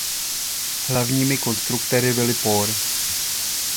Hlavními konstruktéry byli por.